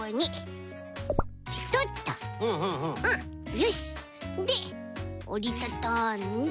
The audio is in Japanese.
よしでっおりたたんで。